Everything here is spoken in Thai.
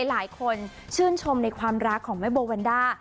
หลายคนชื่นชมในความรักของแม่โบวันด้า